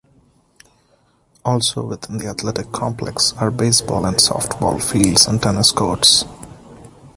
Also within the athletic complex are baseball and softball fields and tennis courts.